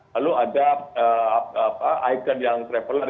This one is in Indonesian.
lalu ada ikon yang traveler